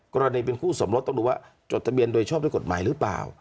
กรณีเป็นคู่สมรสต้องดูว่าจดทะเบียนโดยชอบด้วยกฎหมายหรือเปล่า